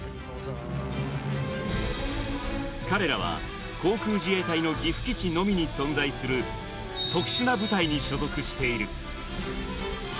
彼らは航空自衛隊の岐阜基地のみに存在する、特殊な部隊に所属している。